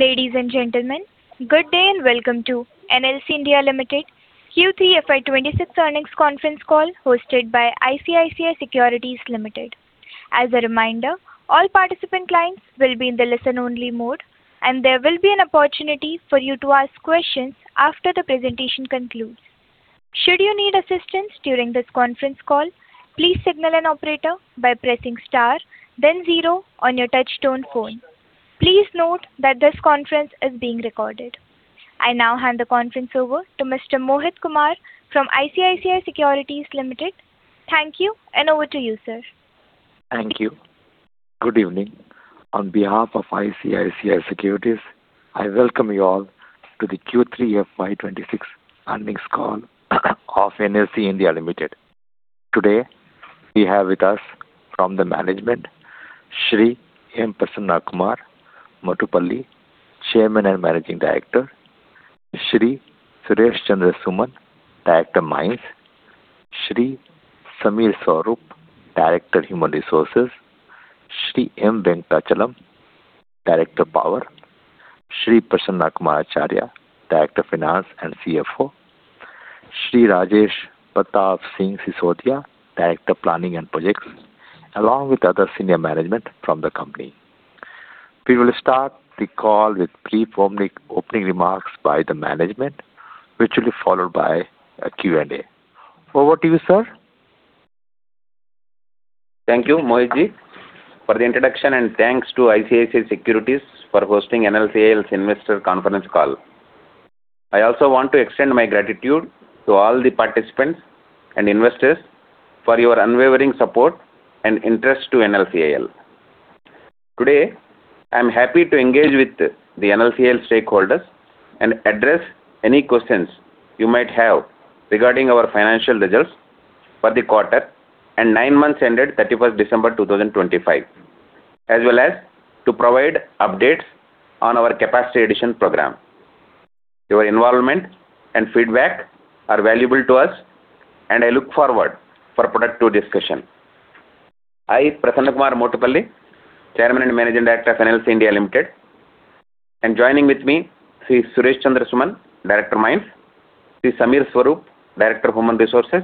Ladies and gentlemen, good day and welcome to NLC India Limited Q3 FY 2026 earnings conference call hosted by ICICI Securities Limited. As a reminder, all participant lines will be in the listen-only mode, and there will be an opportunity for you to ask questions after the presentation concludes. Should you need assistance during this conference call, please signal an operator by pressing star, then 0 on your touch-tone phone. Please note that this conference is being recorded. I now hand the conference over to Mr. Mohit Kumar from ICICI Securities Limited. Thank you, and over to you, sir. Thank you. Good evening. On behalf of ICICI Securities, I welcome you all to the Q3 FY 2026 earnings call of NLC India Limited. Today we have with us from the management, Sri Prasanna Kumar Motupalli, Chairman and Managing Director, Sri Suresh Chandra Suman, Director of Mines, Sri Samir Swarup, Director of Human Resources, Sri M. Venkatachalam, Director of Power, Sri Prasanna Kumar Acharya, Director of Finance and CFO, Sri Rajesh Pratap Singh, Director of Planning and Projects, along with other senior management from the company. We will start the call with brief opening remarks by the management, which will be followed by a Q&A. Over to you, sir. Thank you, Mohit ji. For the introduction, and thanks to ICICI Securities for hosting NLCIL's investor conference call. I also want to extend my gratitude to all the participants and investors for your unwavering support and interest in NLCIL. Today, I'm happy to engage with the NLCIL stakeholders and address any questions you might have regarding our financial results for the quarter ending nine months and ending December 31st, 2025, as well as to provide updates on our capacity addition program. Your involvement and feedback are valuable to us, and I look forward to productive discussion. I am Prasanna Kumar Motupalli, Chairman and Managing Director of NLC India Limited. Joining with me are Sri Suresh Chandra Suman, Director of Mines; Sri Samir Swarup, Director of Human Resources;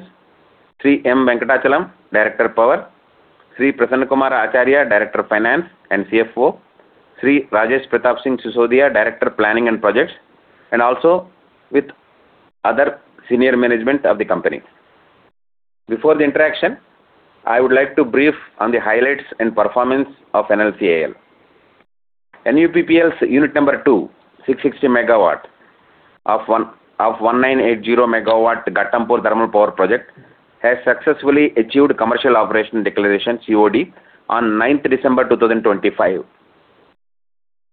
Sri M. Venkatachalam, Director of Power; Sri Prasanna Kumar Acharya, Director of Finance and CFO; Sri Rajesh Pratap Singh, Director of Planning and Projects, and also with other senior management of the company. Before the interaction, I would like to brief on the highlights and performance of NLCIL. NUPPL's Unit Number two, 660 MW, of 1,980 MW Ghatampur Thermal Power Project has successfully achieved commercial operation declaration (COD) on December 9th, 2025.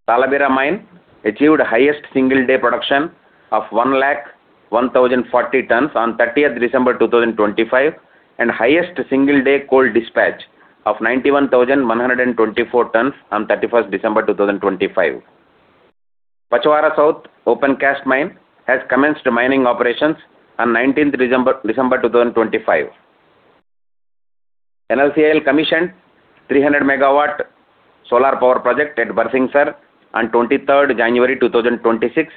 Talabira Mine achieved highest single-day production of 101,040 tons on December 30th, 2025, and highest single-day coal dispatch of 91,124 tons onDecember 31st, 2025. Pachwara South Open Cast Mine has commenced mining operations on December 19th, 2025. NLCIL commissioned a 300 MW solar power project at Barsingsar on January 23, 2026.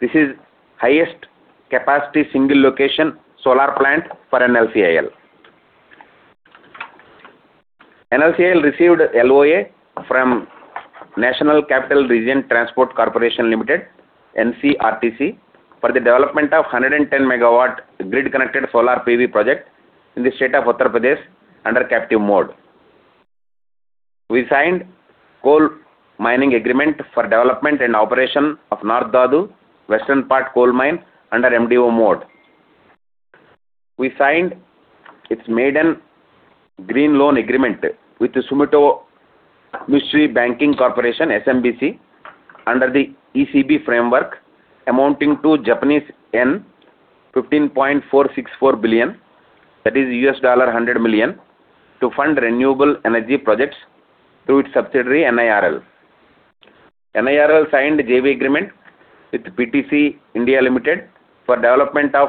This is the highest capacity single-location solar plant for NLCIL. NLCIL received an LOA from National Capital Region Transport Corporation (NCRTC) for the development of a 110 MW grid-connected solar PV project in the state of Uttar Pradesh under captive mode. We signed a coal mining agreement for the development and operation of the North Dhadu Western Part Coal Mine under MDO mode. We signed its Maiden Green Loan Agreement with the Sumitomo Mitsui Banking Corporation (SMBC) under the ECB framework, amounting to Japanese yen 15.464 billion ($100 million) to fund renewable energy projects through its subsidiary NIRL. NIRL signed a JV agreement with PTC India Limited for the development of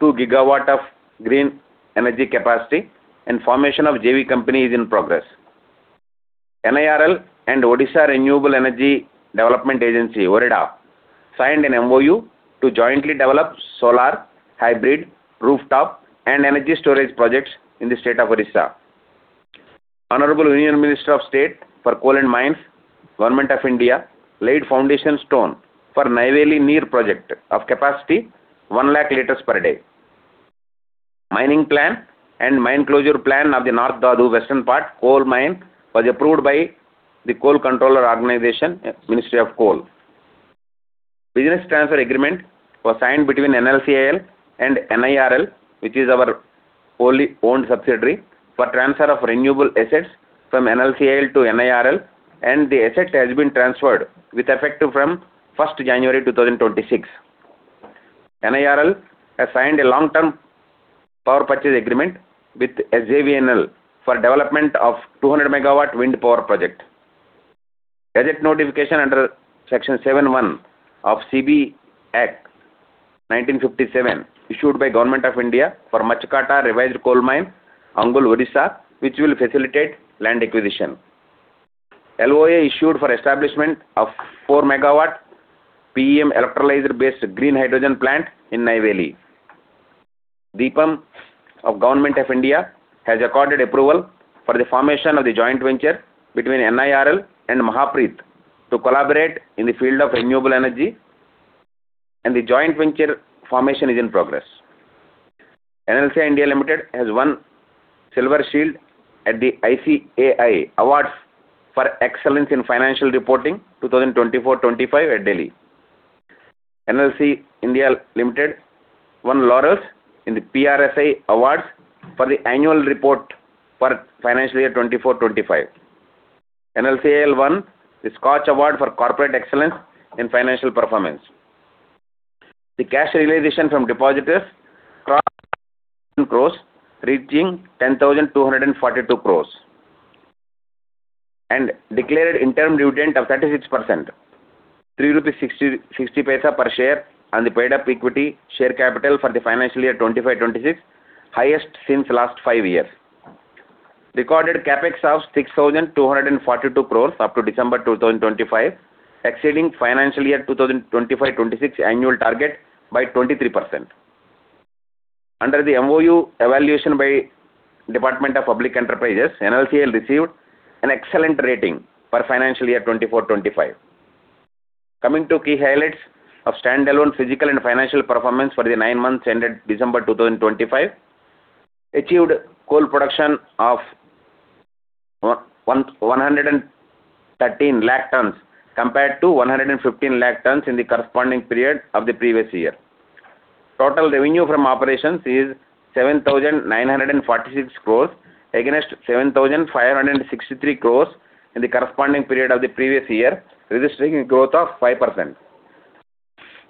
2 GW of green energy capacity, and the formation of a JV company is in progress. NIRL and Odisha Renewable Energy Development Agency (OREDA) signed an MOU to jointly develop solar, hybrid, rooftop, and energy storage projects in the state of Odisha. The Honorable Union Minister of State for Coal and Mines, Government of India, laid the foundation stone for the Neyveli Neer project of capacity of 1,000,000 L/day. The mining plan and mine closure plan of the North Dhadu Western Part Coal Mine was approved by the Coal Controller Organization (Ministry of Coal). A business transfer agreement was signed between NLCIL and NIRL, which is our wholly owned subsidiary, for the transfer of renewable assets from NLCIL to NIRL, and the asset has been transferred with effect fromJanuary 1st, 2026. NIRL has signed a long-term power purchase agreement with SJVN Limited for the development of a 200 MW wind power project. A budget notification under Section 7(1) of the CB Act of 1957 was issued by the Government of India for the Machhakata Revised Coal Mine (Angul, Odisha), which will facilitate land acquisition. An LOA was issued for the establishment of a 4 MW PEM electrolyzer-based green hydrogen plant in Neyveli. DIPAM of the Government of India has accorded approval for the formation of a joint venture between NIRL and MAHAPREIT to collaborate in the field of renewable energy, and the joint venture formation is in progress. NLC India Limited has won a Silver Shield at the ICAI Awards for Excellence in Financial Reporting 2024-2025 at Delhi. NLC India Limited won laurels in the PRSA Awards for the Annual Report for Financial Year 2024-2025. NLCIL won the SKOCH Award for Corporate Excellence in Financial Performance. The cash realization from depositors crossed 10,242 crore and declared an interim dividend of 36%, 3.60 rupees per share on the paid-up equity share capital for the financial year 2025-2026, the highest since the last five years. The recorded Capex was 6,242 crores up to December 2025, exceeding the financial year 2025-2026 annual target by 23%. Under the MOU evaluation by the Department of Public Enterprises, NLCIL received an excellent rating for the financial year 2024-2025. Coming to the key highlights of the standalone physical and financial performance for the nine months ending December 2025, it achieved a coal production of 113,000,000 tons compared to 115,000,000 tons in the corresponding period of the previous year. Total revenue from operations is 7,946 crores against 7,563 crores in the corresponding period of the previous year, registering a growth of 5%.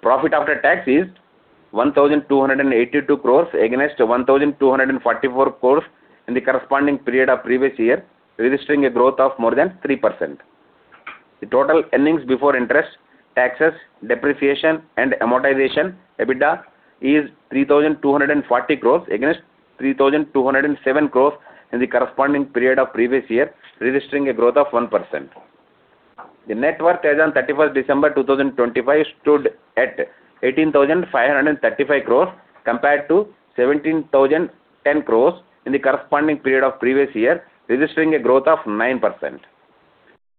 Profit after tax is 1,282 crores against 1,244 crores in the corresponding period of the previous year, registering a growth of more than 3%. The total earnings before interest, taxes, depreciation, and amortization (EBITDA) is 3,240 crores against 3,207 crores in the corresponding period of the previous year, registering a growth of 1%. The net worth as of December 31, 2025 stood at 18,535 crores compared to 17,010 crores in the corresponding period of the previous year, registering a growth of 9%.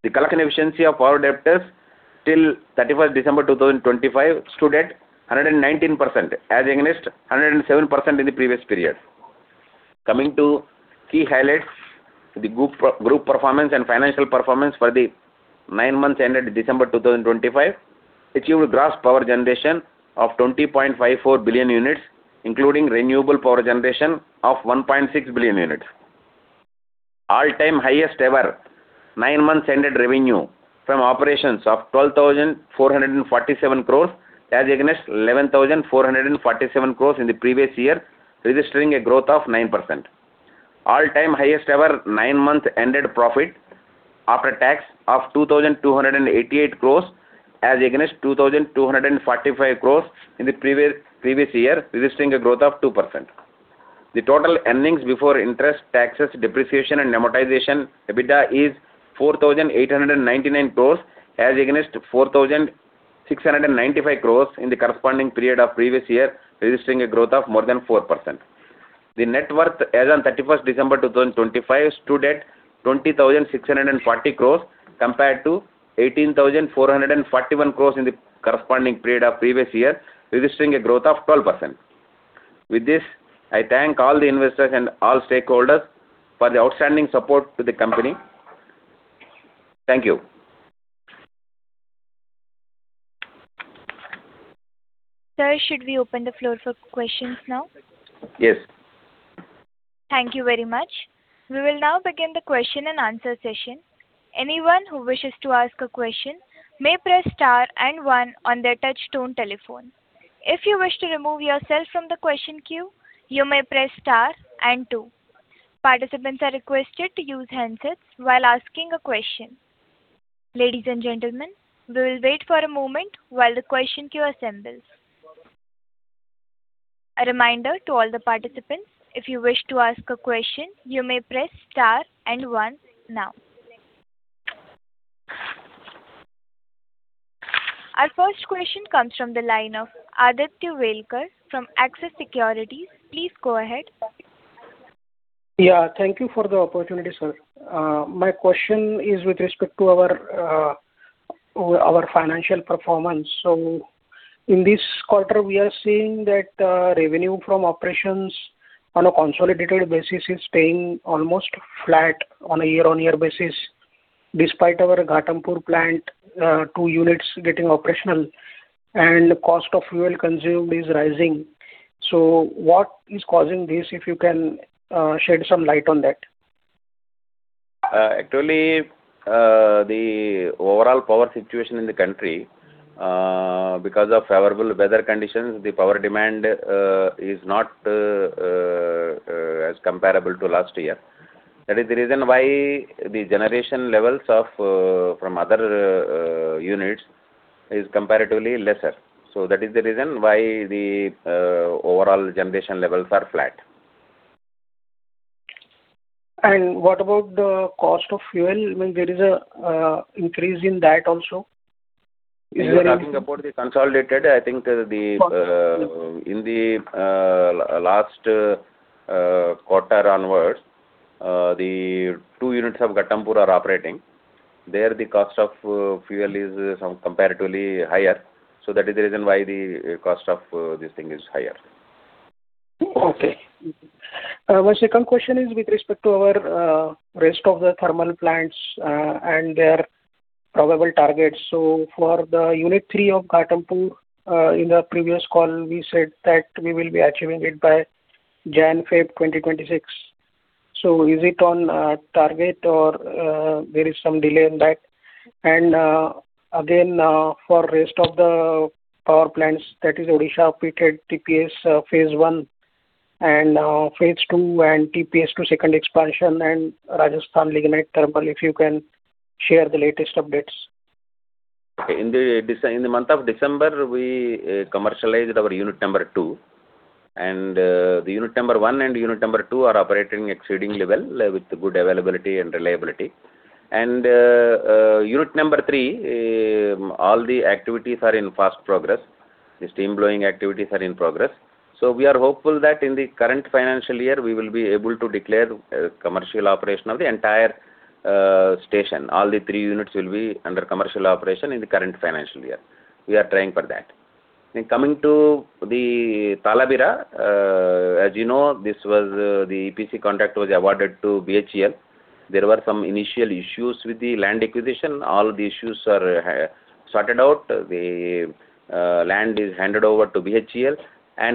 The collection efficiency of power debtors till December 31, 2025 stood at 119% against 107% in the previous period. Coming to the key highlights, the group performance and financial performance for the nine months ending December 2025 achieved a gross power generation of 20.54 billion units, including renewable power generation of 1.6 billion units. All-time highest ever nine months ending revenue from operations was 12,447 crores against 11,447 crores in the previous year, registering a growth of 9%. All-time highest ever nine months ending profit after tax was 2,288 crores against 2,245 crores in the previous year, registering a growth of 2%. The total earnings before interest, taxes, depreciation, and amortization (EBITDA) is 4,899 crores against 4,695 crores in the corresponding period of the previous year, registering a growth of more than 4%. The net worth as of December 31st, 2025 stood at 20,640 crores compared to 18,441 crores in the corresponding period of the previous year, registering a growth of 12%. With this, I thank all the investors and all stakeholders for the outstanding support to the company. Thank you. Sir, should we open the floor for questions now? Yes. Thank you very much. We will now begin the question and answer session. Anyone who wishes to ask a question may press star and one on their touch-tone telephone. If you wish to remove yourself from the question queue, you may press star and two. Participants are requested to use handset while asking a question. Ladies and gentlemen, we will wait for a moment while the question queue assembles. A reminder to all the participants: if you wish to ask a question, you may press star and 1 now. Our first question comes from the line of Aditya Welekar from Axis Securities. Please go ahead. Yeah, thank you for the opportunity, sir. My question is with respect to our financial performance. So in this quarter, we are seeing that revenue from operations on a consolidated basis is staying almost flat on a year-on-year basis despite our Ghatampur plant, two units getting operational, and the cost of fuel consumed is rising. So what is causing this, if you can shed some light on that? Actually, the overall power situation in the country, because of favorable weather conditions, the power demand is not as comparable to last year. That is the reason why the generation levels from other units are comparatively lesser. That is the reason why the overall generation levels are flat. What about the cost of fuel? I mean, there is an increase in that also? Is there any? We are talking about the consolidated. I think in the last quarter onwards, the two units of Ghatampur are operating. There, the cost of fuel is comparatively higher. So that is the reason why the cost of this thing is higher. Okay. My second question is with respect to the rest of the thermal plants and their probable targets. So for Unit three of Ghatampur, in the previous call, we said that we will be achieving it by January-February 2026. So is it on target, or there is some delay in that? And again, for the rest of the power plants, that is Odisha, PTED, TPS Phase I, and Phase II, and TPS II Second Expansion, and Rajasthan Lignite Thermal, if you can share the latest updates. Okay. In the month of December, we commercialized our Unit Number two. Unit Number one and Unit Number two are operating exceedingly well with good availability and reliability. Unit Number three, all the activities are in fast progress. The steam blowing activities are in progress. So we are hopeful that in the current financial year, we will be able to declare commercial operation of the entire station. All the three units will be under commercial operation in the current financial year. We are trying for that. Coming to Talabira, as you know, the EPC contract was awarded to BHEL. There were some initial issues with the land acquisition. All the issues are sorted out. The land is handed over to BHEL.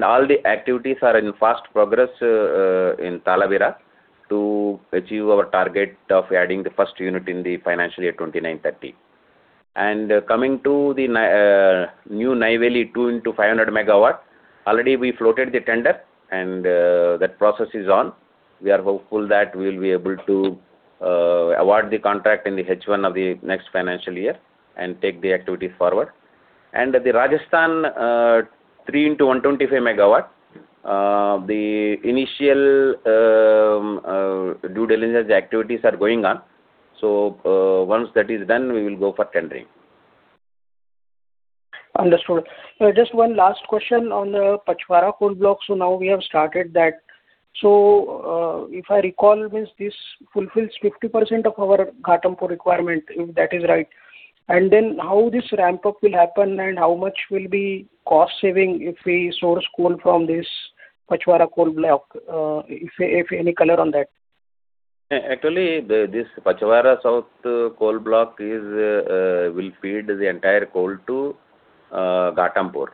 All the activities are in fast progress in Talabira to achieve our target of adding the first unit in the financial year 2029-2030. Coming to the new Neyveli 2 x 500 MW, already we floated the tender, and that process is on. We are hopeful that we will be able to award the contract in the H1 of the next financial year and take the activities forward. The Rajasthan 3 x 125 MW, the initial due diligence activities are going on. So once that is done, we will go for tendering. Understood. Just one last question on the Pachwara coal block. So now we have started that. So if I recall, this fulfills 50% of our Ghatampur requirement, if that is right. And then how this ramp-up will happen, and how much will be cost-saving if we source coal from this Pachwara coal block, if any color on that? Actually, this Pachwara South coal block will feed the entire coal to Ghatampur.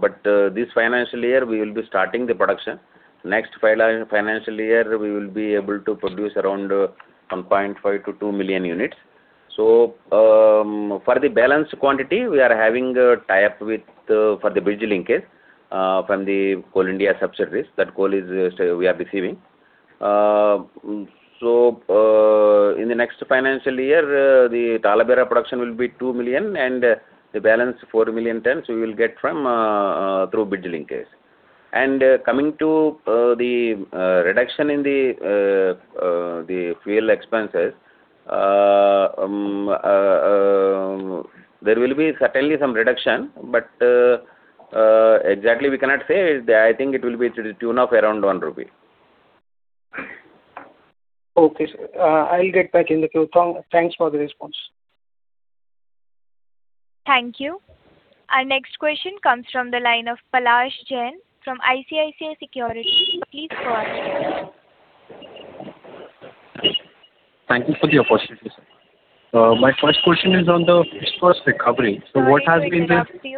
But this financial year, we will be starting the production. Next financial year, we will be able to produce around 1.5-2 million units. So for the balanced quantity, we are having a tie-up for the bridge linkage from the Coal India subsidiaries that coal we are receiving. So in the next financial year, the Talabira production will be 2 million, and the balance, 4 million tons, we will get through bridge linkage. And coming to the reduction in the fuel expenses, there will be certainly some reduction, but exactly we cannot say. I think it will be at the tune of around 1 rupee. Okay, sir. I'll get back in the queue. Thanks for the response. Thank you. Our next question comes from the line of Palash Jain from ICICI Securities. Please go ahead. Thank you for the opportunity, sir. My first question is on the Pachwara recovery. So what has been the? Palash,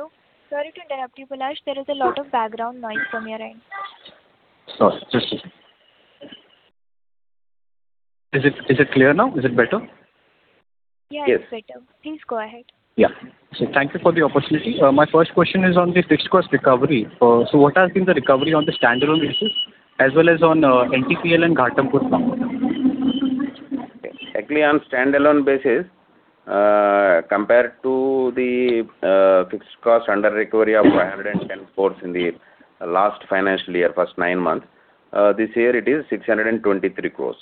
sorry to interrupt you. Sorry to interrupt you, Palash. There is a lot of background noise from your end. Sorry. Just a second. Is it clear now? Is it better? Yes, it's better. Please go ahead. Yeah. So thank you for the opportunity. My first question is on the EBITDA recovery. So what has been the recovery on the standalone basis as well as on NTPL and Ghatampur plant? Actually, on standalone basis, compared to the fixed cost under recovery of 510 crore in the last financial year, first nine months, this year, it is 623 crore.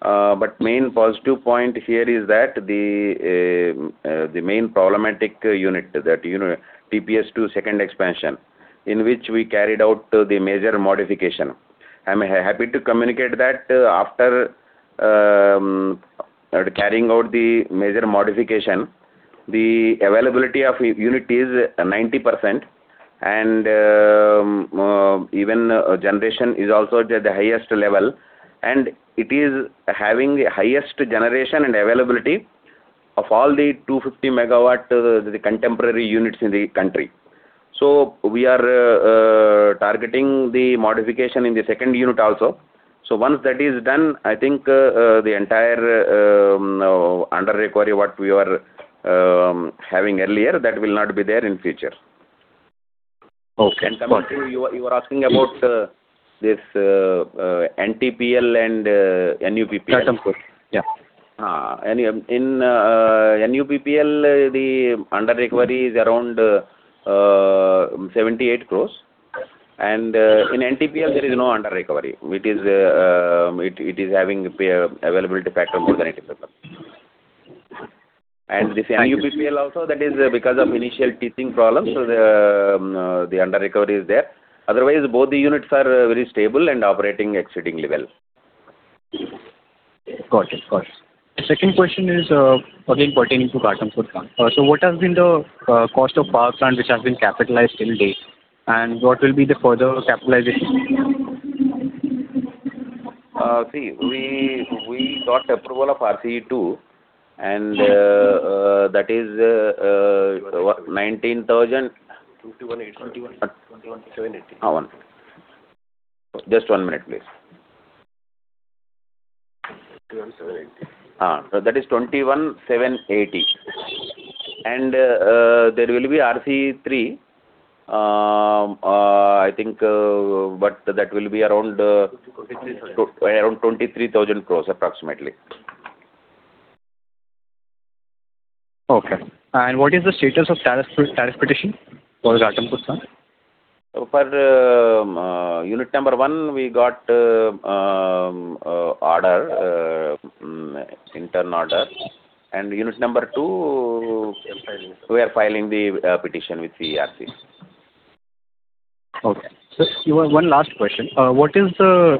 But the main positive point here is that the main problematic unit, that TPS 2 Second Expansion, in which we carried out the major modification. I'm happy to communicate that after carrying out the major modification, the availability of unit is 90%, and even generation is also at the highest level. And it is having the highest generation and availability of all the 250 MW contemporary units in the country. So we are targeting the modification in the second unit also. So once that is done, I think the entire under recovery what we were having earlier, that will not be there in the future. And coming to, you were asking about this NTPL and NUPPL? Gattampur, yeah. In NUPPL, the under recovery is around 78 crore. In NTPL, there is no under recovery. It is having availability factor more than 80%. This NUPPL also, that is because of initial teething problems, so the under recovery is there. Otherwise, both the units are very stable and operating exceedingly well. Got it. Got it. Second question is again pertaining to Ghatampur plant. So what has been the cost of power plant, which has been capitalized till date, and what will be the further capitalization? See, we got approval of RCE2, and that is INR 19,000. 21,780. 21,780. Just one minute, please. 21,780. That is 21,780 crore. There will be RCE3, I think, but that will be around 23,000 crore approximately. Okay. What is the status of tariff petition for Ghatampur plant? For Unit one, we got internal order. Unit two, we are filing the petition with the RCE. Okay. So one last question. What is the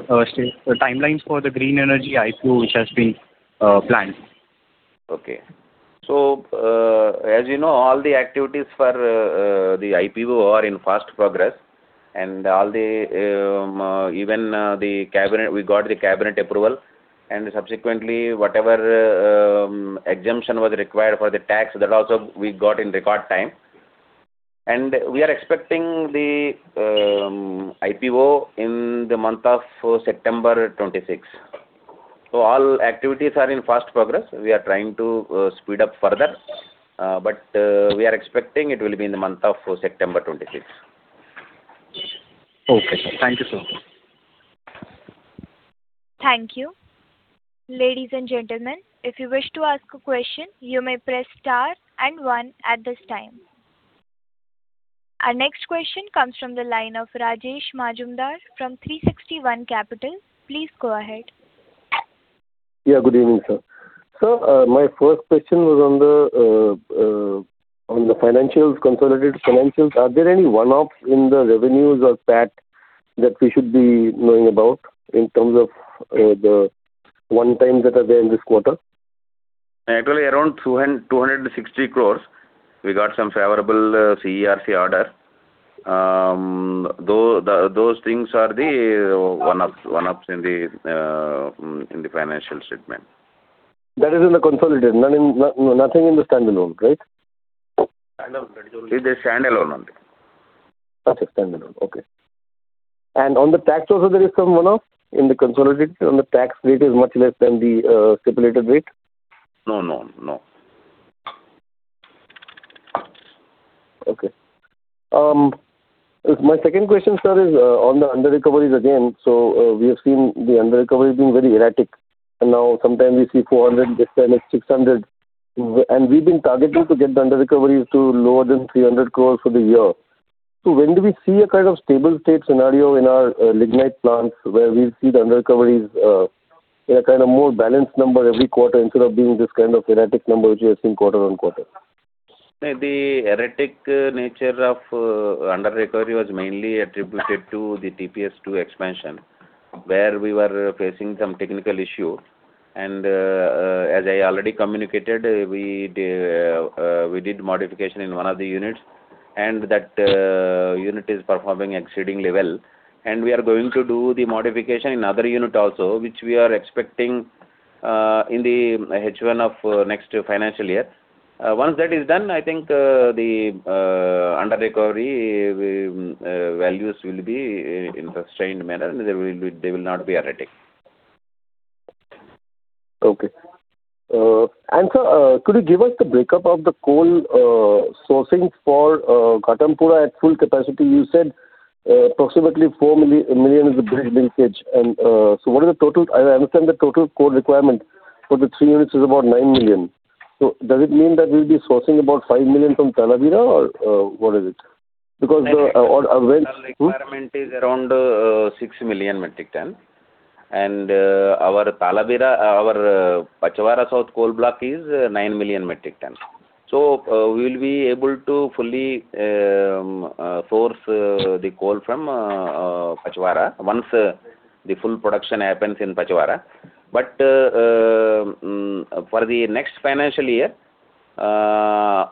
timelines for the green energy IPO which has been planned? Okay. So as you know, all the activities for the IPO are in fast progress. Even we got the cabinet approval. Subsequently, whatever exemption was required for the tax, that also we got in record time. We are expecting the IPO in the month of September 26th. So all activities are in fast progress. We are trying to speed up further, but we are expecting it will be in the month of September 26th. Okay, sir. Thank you so much. Thank you. Ladies and gentlemen, if you wish to ask a question, you may press star and 1 at this time. Our next question comes from the line of Rajesh Majumdar from 360 ONE Asset. Please go ahead. Yeah, good evening, sir. So my first question was on the consolidated financials. Are there any one-offs in the revenues or PAT that we should be knowing about in terms of the one-times that are there in this quarter? Actually, around 260 crore, we got some favorable CERC order. Those things are the one-offs in the financial statement. That is in the consolidated, nothing in the standalone, right? Standalone, that is only. It is standalone only. Okay, standalone. Okay. And on the tax also, there is some one-off in the consolidated? On the tax rate, is it much less than the stipulated rate? No, no, no. Okay. My second question, sir, is on the under recoveries again. So we have seen the under recovery being very erratic. And now sometimes we see 400 crore, this time it's 600 crore. And we've been targeting to get the under recoveries to lower than 300 crore for the year. So when do we see a kind of stable state scenario in our lignite plants where we see the under recoveries in a kind of more balanced number every quarter instead of being this kind of erratic number which we have seen quarter on quarter? The erratic nature of under-recovery was mainly attributed to the TPS-II Expansion, where we were facing some technical issue. As I already communicated, we did modification in one of the units, and that unit is performing exceedingly well. We are going to do the modification in another unit also, which we are expecting in the H1 of next financial year. Once that is done, I think the under-recovery values will be in sustained manner, and they will not be erratic. Okay. And sir, could you give us the breakup of the coal sourcing for Ghatampur at full capacity? You said approximately 4 million is the bridge linkage. And so what is the total? I understand the total coal requirement for the three units is about 9 million. So does it mean that we'll be sourcing about 5 million from Talabira, or what is it? Because the. Our requirement is around 6 million metric tons. Our Pachwara South coal block is 9 million metric tons. We will be able to fully source the coal from Pachwara once the full production happens in Pachwara. For the next financial year, our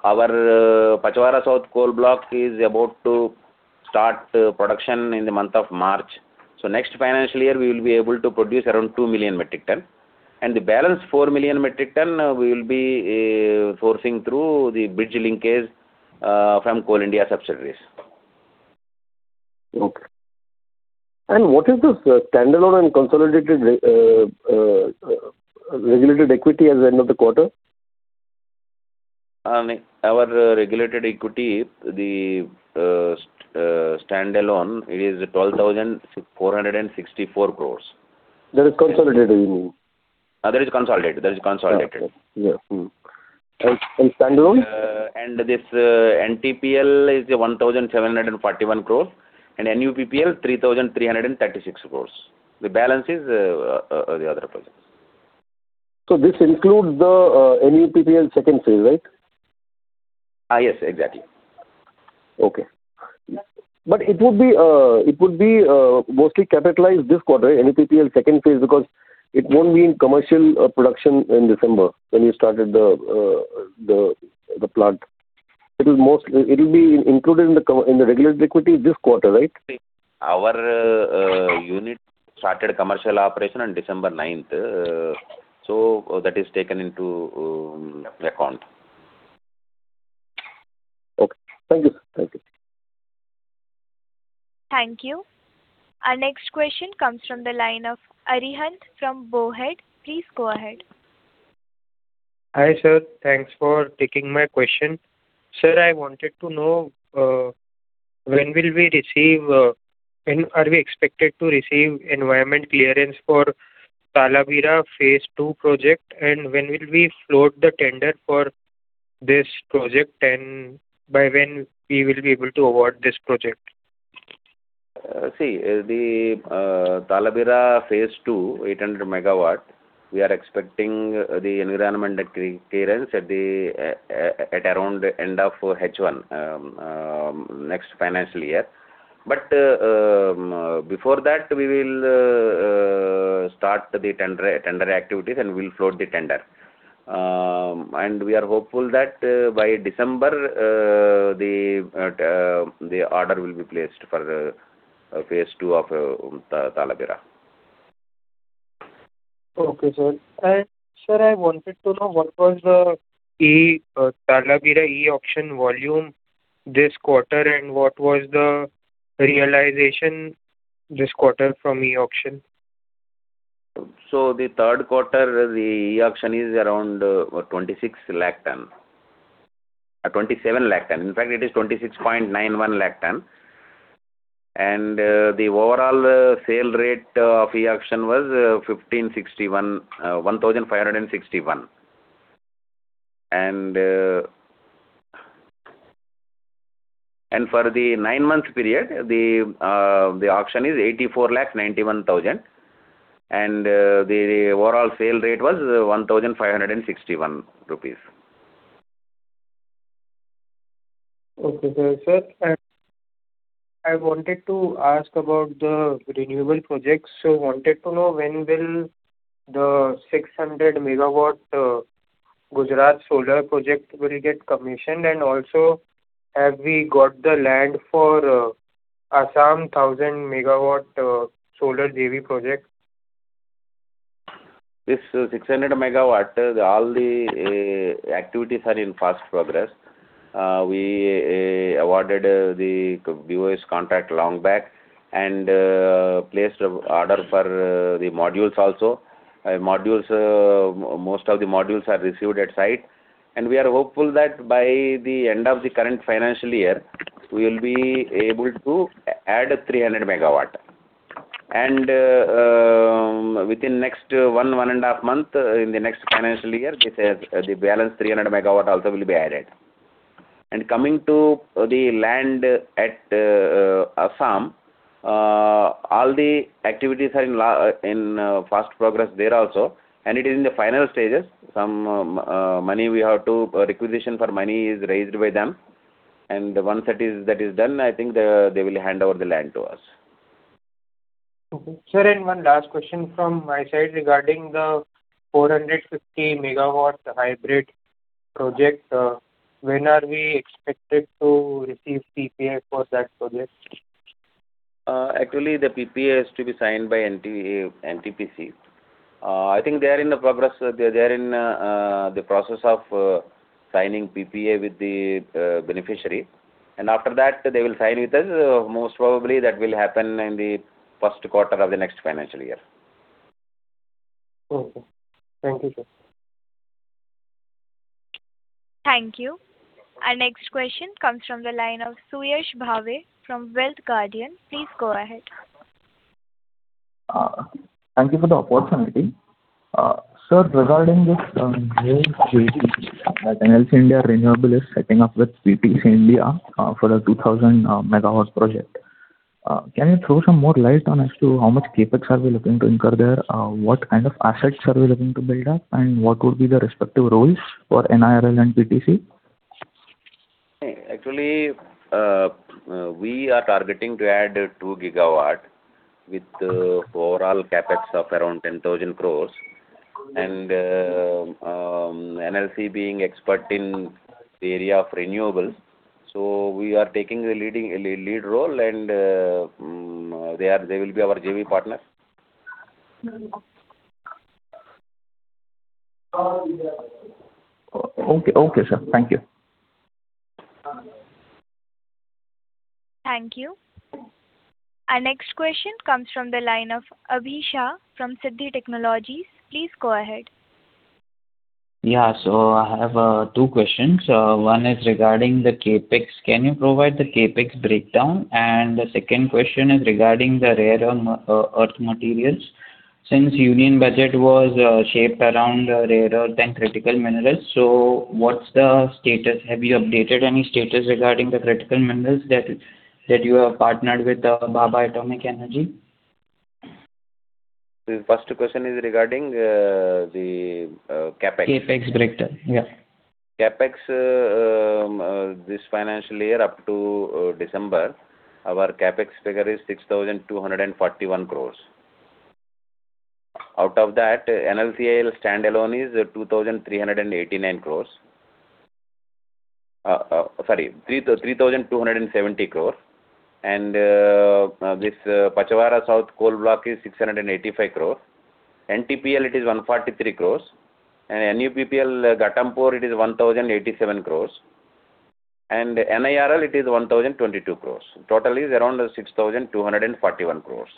Pachwara South coal block is about to start production in the month of March. Next financial year, we will be able to produce around 2 million metric tons. The balanced 4 million metric tons, we will be sourcing through the bridge linkage from Coal India subsidiaries. Okay. What is the standalone and consolidated regulated equity at the end of the quarter? Our regulated equity, the standalone, it is 12,464 crore. That is consolidated, you mean? That is consolidated. That is consolidated. Okay. Yeah. And standalone? This NTPL is 1,741 crores, and NUPPL 3,336 crores. The balance is the other projects. This includes the NUPPL second phase, right? Yes, exactly. Okay. But it would be mostly capitalized this quarter, NUPPL second phase, because it won't be in commercial production in December when you started the plant. It will be included in the regulated equity this quarter, right? Our unit started commercial operation on December 9th. So that is taken into account. Okay. Thank you, sir. Thank you. Thank you. Our next question comes from the line of Arihant from BOB. Please go ahead. Hi, sir. Thanks for taking my question. Sir, I wanted to know when will we receive are we expected to receive environment clearance for Talabira Phase II project, and when will we float the tender for this project, and by when we will be able to award this project? See, the Talabira Phase II, 800 MW, we are expecting the environmental clearance at around the end of H1, next financial year. But before that, we will start the tender activities, and we will float the tender. And we are hopeful that by December, the order will be placed for Phase II of Talabira. Okay, sir. Sir, I wanted to know what was the Talabira e-auction volume this quarter, and what was the realization this quarter from e-auction? The third quarter, the e-auction is around 26 lakh tons, 27 lakh tons. In fact, it is 26.91 lakh tons. And the overall sale rate of e-auction was 1,561. And for the nine-month period, the auction is 8,491,000. And the overall sale rate was 1,561 rupees. Okay, sir. Sir, I wanted to ask about the renewable projects. I wanted to know when will the 600 MW Gujarat solar project get commissioned, and also have we got the land for Assam 1,000 MW solar PV project? This 600 MW, all the activities are in fast progress. We awarded the BOS contract long back and placed an order for the modules also. Most of the modules are received at site. We are hopeful that by the end of the current financial year, we will be able to add 300 MW. Within the next one and a half months, in the next financial year, the balanced 300 MW also will be added. Coming to the land at Assam, all the activities are in fast progress there also. It is in the final stages. Some money we have to requisition for money is raised by them. Once that is done, I think they will hand over the land to us. Okay. Sir, and one last question from my side regarding the 450 MW hybrid project. When are we expected to receive PPA for that project? Actually, the PPA has to be signed by NTPC. I think they are in the progress. They are in the process of signing PPA with the beneficiary. And after that, they will sign with us. Most probably, that will happen in the first quarter of the next financial year. Okay. Thank you, sir. Thank you. Our next question comes from the line of Suyash Bhave from Wealth Guardian. Please go ahead. Thank you for the opportunity. Sir, regarding this new JV that NLC India Renewables is setting up with PTC India for the 2,000 MW project, can you throw some more light on as to how much Capex are we looking to incur there? What kind of assets are we looking to build up, and what would be the respective roles for NIRL and PTC? Actually, we are targeting to add 2 GW with overall CapEx of around 10,000 crore. NLC being an expert in the area of renewables, so we are taking a lead role, and they will be our JV partner. Okay, sir. Thank you. Thank you. Our next question comes from the line of Abhisha from Siddhi Technologies. Please go ahead. Yeah. So I have two questions. One is regarding the CapEx. Can you provide the CapEx breakdown? And the second question is regarding the rare earth materials. Since the Union Budget was shaped around rare earth and critical minerals, so what's the status? Have you updated any status regarding the critical minerals that you have partnered with Department of Atomic Energy? The first question is regarding the Capex. CapEx breakdown. Yeah. CapEx, this financial year, up to December, our CapEx figure is 6,241 crores. Out of that, NLCIL standalone is 2,389 crores. Sorry, 3,270 crores. And this Pachwara South coal block is 685 crores. NTPL, it is 143 crores. And NUPPL Ghatampur, it is 1,087 crores. And NIRL, it is 1,022 crores. Total is around 6,241 crores.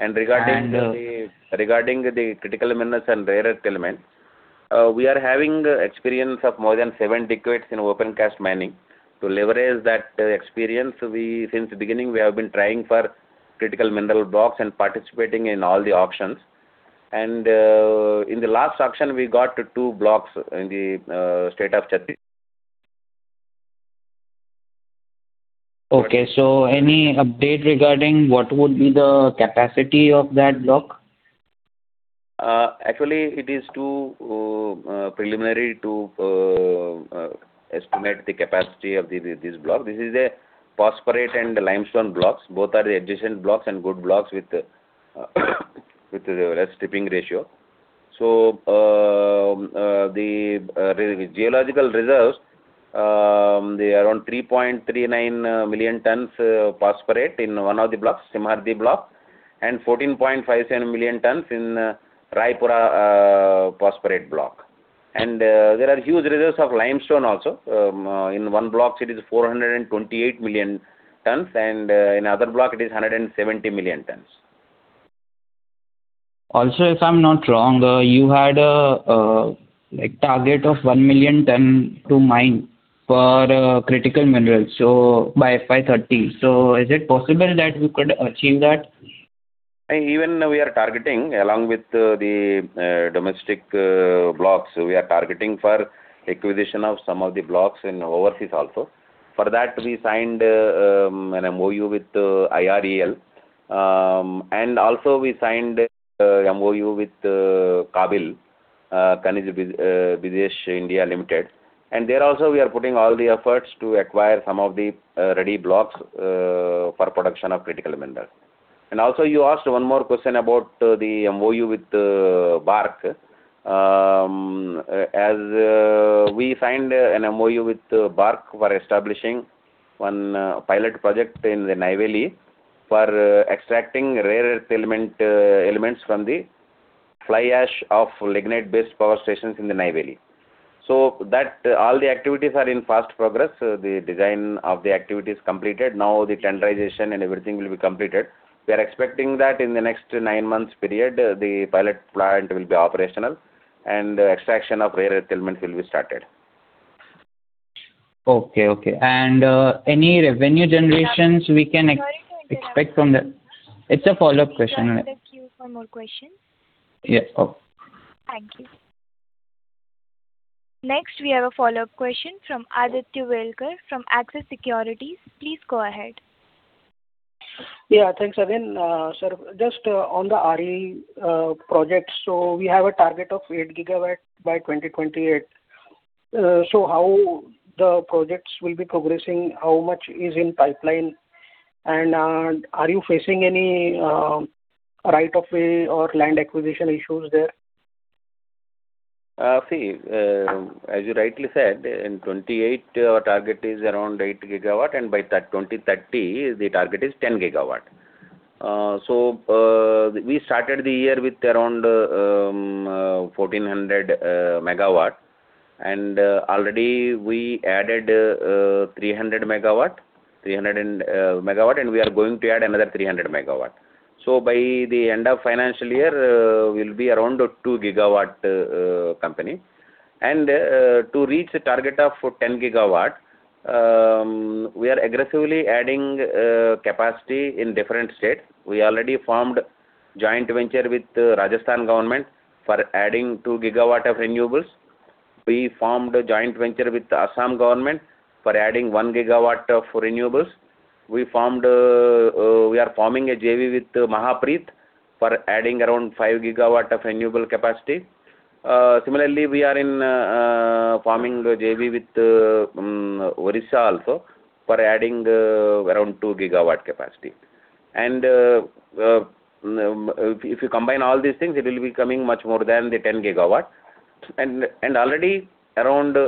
And regarding the critical minerals and rarer elements, we are having experience of more than seven decades in open-cast mining. To leverage that experience, since the beginning, we have been trying for critical mineral blocks and participating in all the auctions. And in the last auction, we got two blocks in the state of Chhattisgarh. Okay. So any update regarding what would be the capacity of that block? Actually, it is too preliminary to estimate the capacity of this block. This is the phosphorate and limestone blocks. Both are the adjacent blocks and good blocks with the less stripping ratio. So the geological reserves, they are around 3.39 million tons of phosphorate in one of the blocks, Semariya block, and 14.57 million tons in Raipura phosphorate block. And there are huge reserves of limestone also. In one block, it is 428 million tons, and in the other block, it is 170 million tons. Also, if I'm not wrong, you had a target of 1 million tons to mine for critical minerals by FY 2030. Is it possible that we could achieve that? Even we are targeting, along with the domestic blocks, we are targeting for acquisition of some of the blocks in overseas also. For that, we signed an MOU with IREL. And also, we signed an MOU with KABIL, Khanij Bidesh India Limited. And there also, we are putting all the efforts to acquire some of the ready blocks for production of critical minerals. And also, you asked one more question about the MOU with BARC. We signed an MOU with BARC for establishing one pilot project in the Neyveli for extracting rare earth elements from the fly ash of lignite-based power stations in the Neyveli. So all the activities are in fast progress. The design of the activity is completed. Now, the tenderization and everything will be completed. We are expecting that in the next 9-month period, the pilot plant will be operational, and extraction of rare earth elements will be started. Okay. Okay. Any revenue generations we can expect from the? It's a follow-up question. Thank you for more questions. Yeah. Thank you. Next, we have a follow-up question from Aditya Welekar from Axis Securities. Please go ahead. Yeah. Thanks, Arvind. Sir, just on the RE projects, so we have a target of 8 GW by 2028. So how the projects will be progressing, how much is in pipeline, and are you facing any right-of-way or land acquisition issues there? See, as you rightly said, in 2028, our target is around 8 GW, and by 2030, the target is 10 GW. So we started the year with around 1,400 MW, and already we added 300 MW, and we are going to add another 300 MW. So by the end of the financial year, we will be around a 2 GW company. And to reach the target of 10 GW, we are aggressively adding capacity in different states. We already formed a joint venture with the Rajasthan government for adding 2 GW of renewables. We formed a joint venture with the Assam government for adding 1 GW of renewables. We are forming a JV with MAHAPREIT for adding around 5 GW of renewable capacity. Similarly, we are forming a JV with Odisha also for adding around 2 GW capacity. If you combine all these things, it will be coming much more than the 10 GW. Already, around 3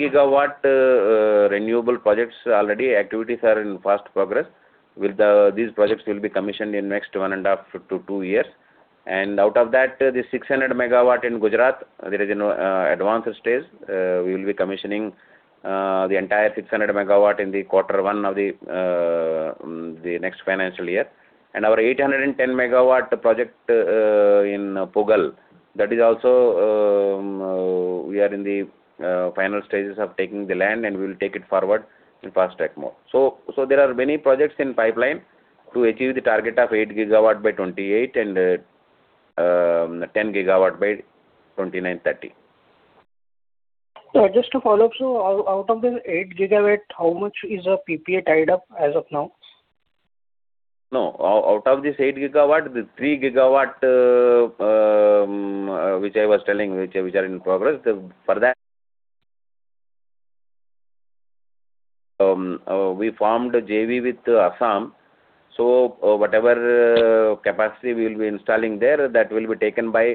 GW renewable projects, already activities are in fast progress. These projects will be commissioned in the next one and a half to two years. Out of that, the 600 MW in Gujarat, there is an advanced stage. We will be commissioning the entire 600 MW in the quarter one of the next financial year. Our 810 MWproject in Pugal, that is also, we are in the final stages of taking the land, and we will take it forward in fast track mode. So there are many projects in pipeline to achieve the target of 8 GW by 2028 and 10 GW by 2030. Yeah. Just a follow-up. So out of the 8 GW, how much is PPA tied up as of now? No. Out of this 8 GW, the 3 GW which I was telling, which are in progress, for that, we formed a JV with Assam. So whatever capacity we will be installing there, that will be taken by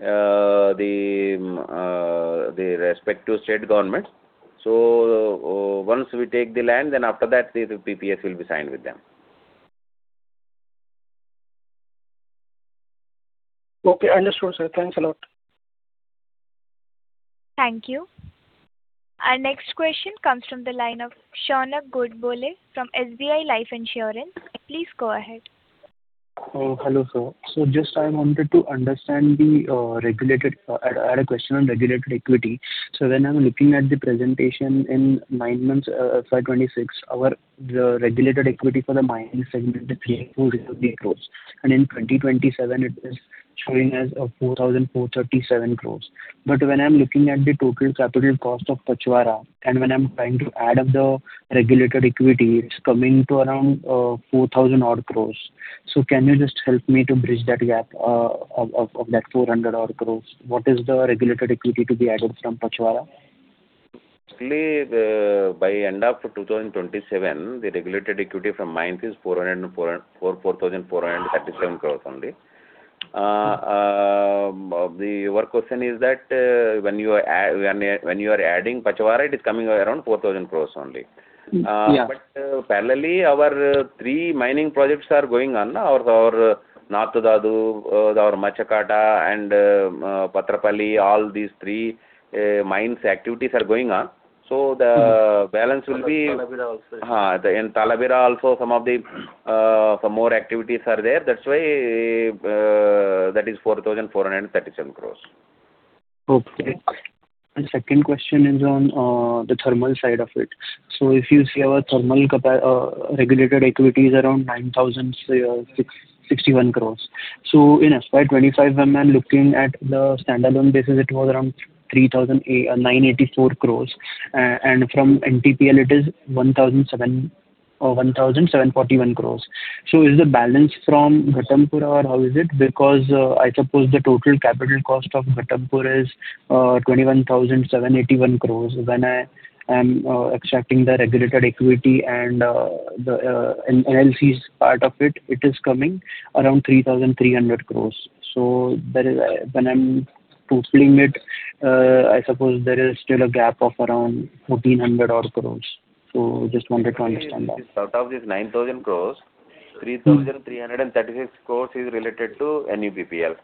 the respective state governments. So once we take the land, then after that, the PPA will be signed with them. Okay. Understood, sir. Thanks a lot. Thank you. Our next question comes from the line of Shaunak Godbole from SBI Life Insurance. Please go ahead. Hello, sir. So just I wanted to understand the regulated—I had a question on regulated equity. So when I'm looking at the presentation in nine months for 2026, the regulated equity for the mining segment is 3,403 crores. And in 2027, it is showing as 4,437 crores. But when I'm looking at the total capital cost of Pachwara, and when I'm trying to add up the regulated equity, it's coming to around 4,000-odd crores. So can you just help me to bridge that gap of that 400-odd crores? What is the regulated equity to be added from Pachwara? Actually, by the end of 2027, the regulated equity from mines is 4,437 crores only. Your question is that when you are adding Pachwara, it is coming around 4,000 crores only. But parallelly, our three mining projects are going on. Our North Dhadu, our Machhakata, and Patrapali, all these three mines' activities are going on. So the balance will be. In Talabira also. Ha. In Talabira also, some more activities are there. That's why that is 4,437 crore. Okay. The second question is on the thermal side of it. So if you see our thermal regulated equity is around 9,061 crore. So in FY 2025, when we are looking at the standalone basis, it was around 9,804 crore. And from NTPL, it is 1,741 crore. So is the balance from Ghatampur or how is it? Because I suppose the total capital cost of Ghatampur is 21,781 crore. When I am extracting the regulated equity and NLC's part of it, it is coming around 3,300 crore. So when I'm doubling it, I suppose there is still a gap of around 1,400-odd crore. So just wanted to understand that. Out of these 9,000 crore, 3,336 crore is related to NUPPL.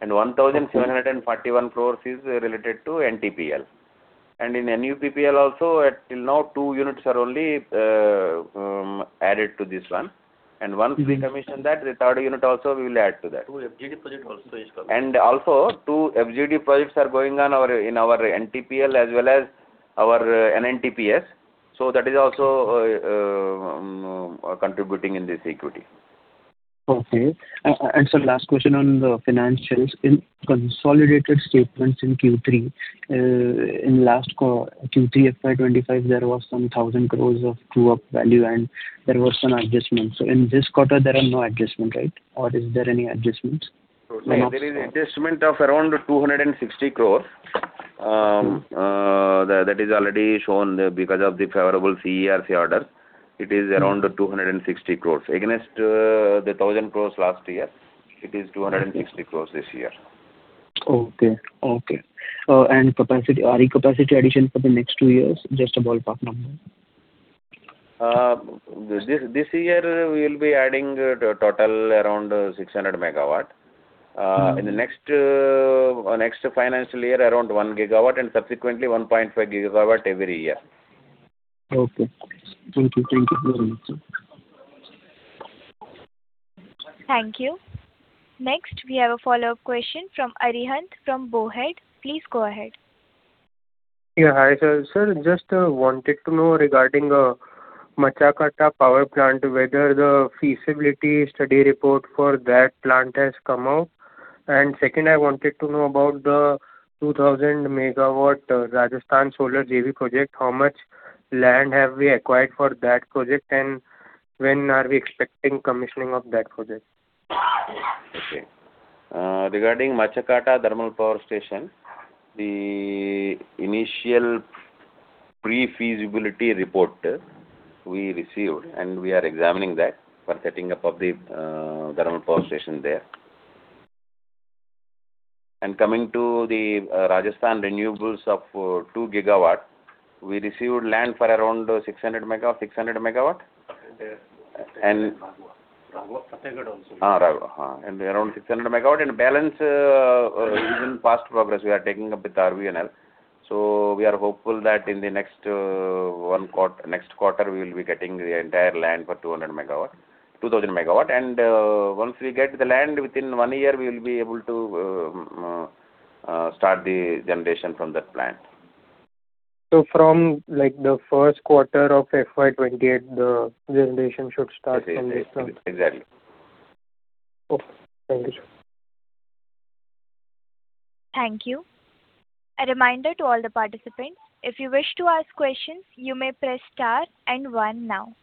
And 1,741 crore is related to NTPL. And in NUPPL also, till now, two units are only added to this one. And once we commission that, the third unit also, we will add to that. Two FGD projects also. Also, two FGD projects are going on in our NTPL as well as our NNTPS. That is also contributing in this equity. Okay. And sir, last question on the financials. In consolidated statements in Q3, in last Q3 FY 2025, there was some 1,000 crore of write-up value, and there was some adjustment. So in this quarter, there are no adjustments, right? Or is there any adjustments? There is an adjustment of around 260 crore. That is already shown because of the favorable CERC order. It is around 260 crore. Against the 1,000 crore last year, it is 260 crore this year. Okay. Okay. Your capacity addition for the next two years? Just a ballpark number. This year, we will be adding total around 600 MW. In the next financial year, around 1 GW and subsequently 1.5 GW every year. Okay. Thank you. Thank you very much, sir. Thank you. Next, we have a follow-up question from Arihant from BOB. Please go ahead. Yeah. Hi, sir. Sir, just wanted to know regarding Machhakata power plant, whether the feasibility study report for that plant has come out. And second, I wanted to know about the 2,000 MW Rajasthan solar JV project. How much land have we acquired for that project, and when are we expecting commissioning of that project? Okay. Regarding Machhakata thermal power station, the initial pre-feasibility report we received, and we are examining that for setting up of the thermal power station there. Coming to the Rajasthan renewables of 2 GW, we received land for around 600 MW. Raghua? Fatehgarh also? Around 600 MW. Balance is in fast progress. We are taking up with RVUNL. So we are hopeful that in the next quarter, we will be getting the entire land for 2,000 MW. Once we get the land, within one year, we will be able to start the generation from that plant. From the first quarter of FY 2028, the generation should start from this plant? Exactly. Okay. Thank you, sir. Thank you. A reminder to all the participants, if you wish to ask questions, you may press star and one now.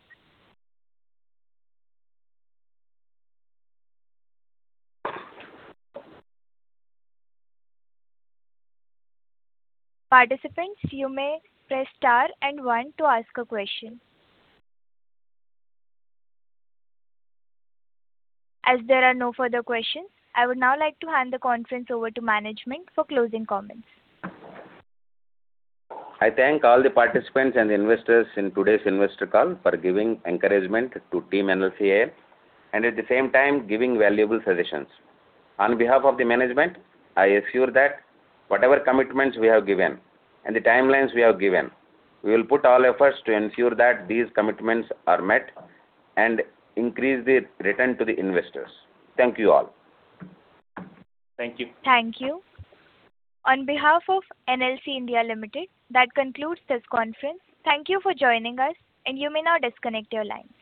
Participants, you may press star and one to ask a question. As there are no further questions, I would now like to hand the conference over to management for closing comments. I thank all the participants and investors in today's investor call for giving encouragement to team NLCIL and at the same time, giving valuable suggestions. On behalf of the management, I assure that whatever commitments we have given and the timelines we have given, we will put all efforts to ensure that these commitments are met and increase the return to the investors. Thank you all. Thank you. Thank you. On behalf of NLC India Limited, that concludes this conference. Thank you for joining us, and you may now disconnect your line.